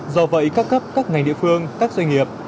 do vậy các cấp các ngành địa phương các doanh nghiệp